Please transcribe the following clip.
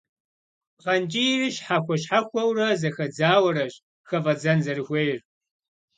Пхъэнкӏийр, щхьэхуэ-щхьэхуэурэ зэхэдзаурэщ хыфӏэдзэн зэрыхуейр.